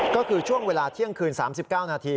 ก็คือช่วงเวลาเที่ยงคืน๓๙นาที